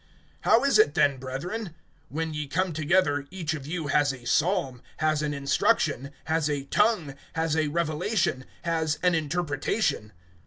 (26)How is it then, brethren? When ye come together, each of you has a psalm, has an instruction, has a tongue, has a revelation, has an interpretation.